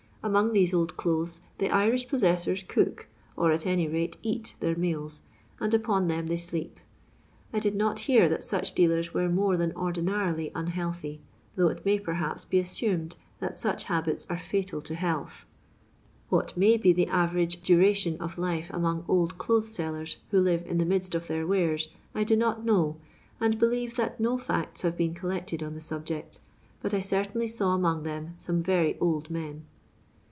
Among these old clothes the Irish possessors cook, or at any rate eat, their meals, and upon them they sleep. I did not hear that such dealers were more than ordinarily un healthy ; though it may, perhaps, be assumed that such habits are fiital to health. What may be the average duration of life among old clothes sellers who live in the midst of their wares, I do not know, and believe that no facts have been col lected on the subject ; but I certainly saw among them some very old men.